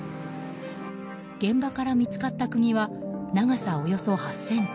現場から見つかった釘は長さおよそ８ｃｍ。